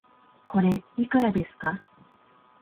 これ、いくらですか